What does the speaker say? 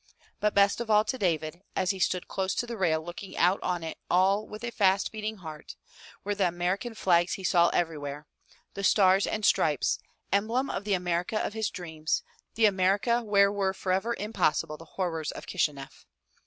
But best of all to David, as he stood close to the rail looking out on it all with a fast beating heart, were the American flags he saw everywhere — the stars and stripes, emblem of the America of his dreams, the America where were forever impossible the horrors of Kishineff.